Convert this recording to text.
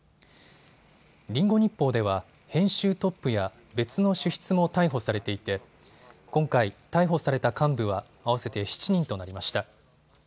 リンゴ日報では編集トップや別の主筆も逮捕されていて今回、逮捕された幹部は合わせて７人となりました。